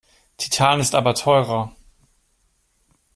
Titan ist aber teurer.